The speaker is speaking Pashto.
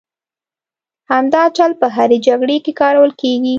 همدا چل په هرې جګړې کې کارول کېږي.